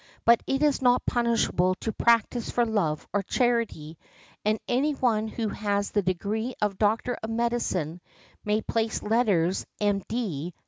But it is not punishable to practise for love or charity, and any one who has the degree of doctor of medicine may place the letters "M.D."